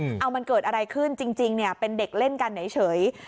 เอามันเกิดอะไรขึ้นจริงจริงเนี่ยเป็นเด็กเล่นกันเฉย